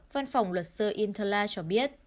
văn phòng luật sư interla cho biết